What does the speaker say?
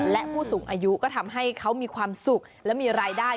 และผู้สูงอายุก็ทำให้เขามีความสุขและมีรายได้